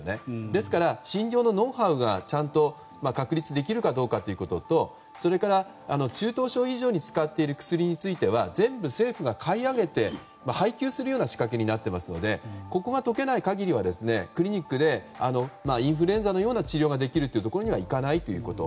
ですから診療のノウハウがちゃんと確立できるかどうかということとそれから中等症以上に使っている薬については全部、政府が買い上げて配給するような仕掛けなのでここが解けない限りはクリニックでインフルエンザのような治療ができるところにはいかないということ。